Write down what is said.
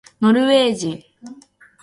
ノルウェー人